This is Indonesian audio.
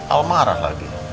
al marah lagi